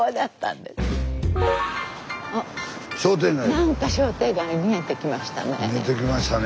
何か商店街が見えてきましたね。